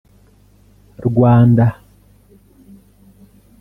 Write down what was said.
“Rwanda